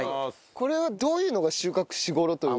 これはどういうのが収穫し頃というか。